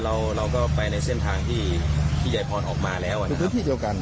เราก็ไปในเส้นทางที่เยฟพรออกมาแล้วนะครับ